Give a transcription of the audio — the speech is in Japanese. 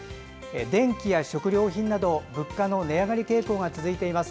電気や食料品など物価の値上がり傾向が続いています。